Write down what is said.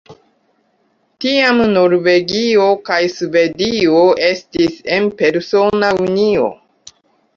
Tiam, Norvegio kaj Svedio estis en persona unio.